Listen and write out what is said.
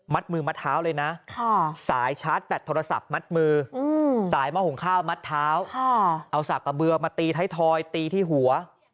มือมัดเท้าเลยนะสายชาร์จแบตโทรศัพท์มัดมือสายมะหงข้าวมัดเท้าเอาสากกระเบือมาตีไทยทอยตีที่หัว